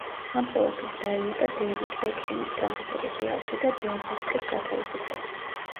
ამ ყველაფერს დაემატა დეივიდ ბეკჰემის ტრანსფერი რეალში და დელ ბოსკეს გათავისუფლება.